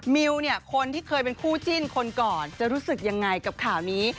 มิวเนี่ยคนที่เคยเป็นคู่จิ้นคนก่อนจะรู้สึกยังไงกับข่าวนี้